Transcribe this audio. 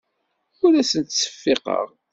Ur asent-ttseffiqeɣ.